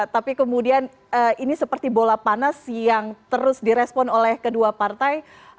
tapi kemudian ini seperti bola panas yang terus direspon oleh kedua partai